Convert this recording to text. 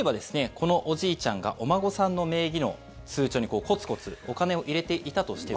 このおじいちゃんがお孫さんの名義の通帳にコツコツお金を入れていたとしても。